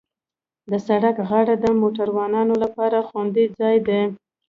د سړک غاړه د موټروانو لپاره خوندي ځای دی.